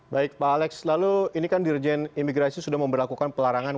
baik pak alex lalu ini kan dirjen imigrasi sudah memperlakukan pelarangan